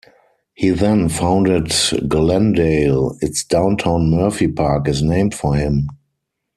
He then founded Glendale; its downtown Murphy Park is named for him.